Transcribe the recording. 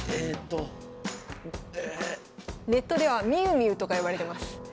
ネットでは「みうみう」とか呼ばれてます。